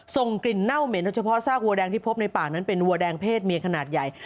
ส่งกลิ่นเน่าเหม็นโดยเฉพาะซากวัแดงที่พบในป่านั้นเป็นวัวแดงเพศเมียขนาดใหญ่